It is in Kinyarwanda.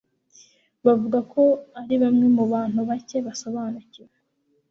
bavuga ko ari bamwe mu Bantu bake basobanukiwe